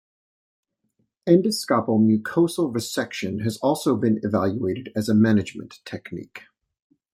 Endoscopic mucosal resection has also been evaluated as a management technique.